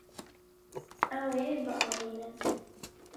Ew ê biavînin.